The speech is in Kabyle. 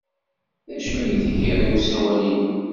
D acu ay as-tgid i usawal-inu?